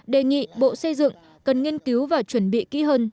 đề nghị bộ xây dựng cần nghiên cứu và chuẩn bị kỹ hơn